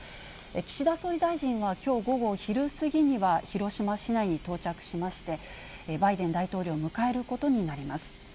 岸田総理大臣は、きょう午後昼過ぎには広島市内に到着しまして、バイデン大統領を迎えることになります。